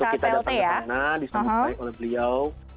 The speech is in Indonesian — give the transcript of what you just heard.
waktu kita datang ke sana disambut oleh beliau